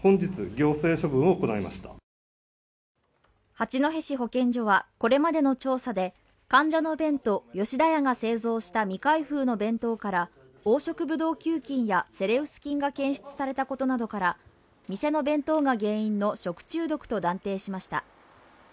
八戸市保健所はこれまでの調査で患者の便と吉田屋が製造した未開封の弁当から黄色ブドウ球菌やセレウス菌が検出されたことなどから店の弁当が原因の食中毒と断定しました。